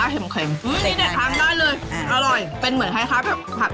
เป็นเหมือนคลาบ